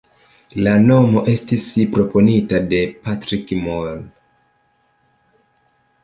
La nomo estis proponita de Patrick Moore.